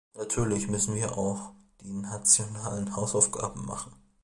Natürlich müssen wir auch die nationalen Hausaufgaben machen.